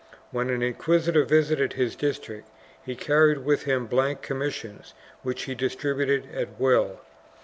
When an inquisitor visited his district he carried with him blank commissions which he dis tributed at will.